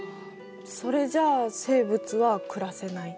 それじゃ生物は暮らせない。